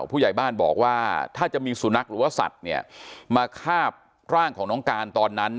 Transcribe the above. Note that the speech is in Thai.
ผู้ใหญ่บ้านบอกว่าถ้าจะมีสุนัขหรือว่าสัตว์เนี่ยมาคาบร่างของน้องการตอนนั้น